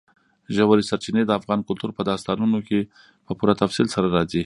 ژورې سرچینې د افغان کلتور په داستانونو کې په پوره تفصیل سره راځي.